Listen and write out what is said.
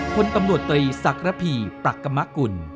คนตำรวจตรีศักดิ์ระพีปรากฏมะกุล